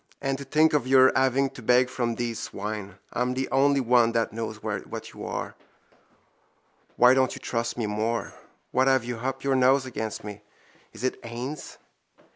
—And to think of your having to beg from these swine. I'm the only one that knows what you are. Why don't you trust me more? What have you up your nose against me? Is it Haines?